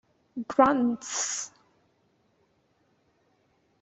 "Grunts!